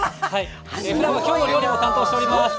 ふだんは「きょうの料理」も担当しています。